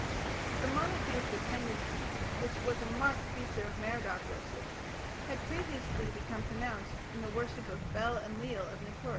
The monotheistic tendency, which was a marked feature of Merodach worship, had previously become pronounced in the worship of Bel Enlil of Nippur.